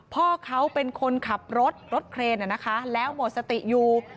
พ่อเขาเป็นคนขับรถรถเครนแล้วหมดสติอยู่